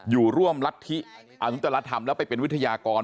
อยู่ร่วมรัฐธรรมแล้วไปเป็นวิทยากร